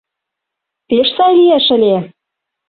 Пеш сай лиеш ыле?